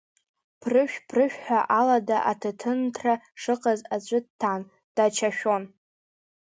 Прышәҭ-прышәҭ ҳәа алада аҭаҭынрҭа шыҟаз аӡәы дҭан, дачашәон.